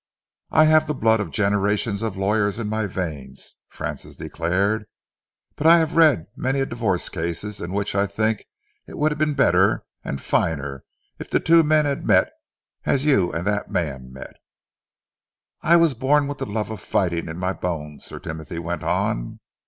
"I have the blood of generations of lawyers in my veins," Francis declared, "but I have read many a divorce case in which I think it would have been better and finer if the two men had met as you and that man met." "I was born with the love of fighting in my bones," Sir Timothy went on.